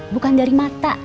bukan dari mata